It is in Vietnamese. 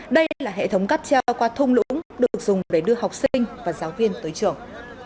đây là hệ thống cắp treo qua thung lũng được dùng để đưa học sinh và giáo viên tới trường